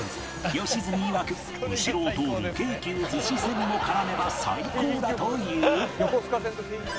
良純いわく後ろを通る京急逗子線も絡めば最高だという